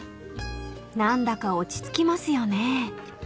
［何だか落ち着きますよね］